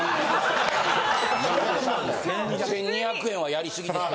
１２００円はやりすぎですよ。